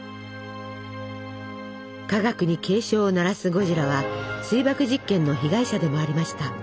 科学に警鐘を鳴らすゴジラは水爆実験の被害者でもありました。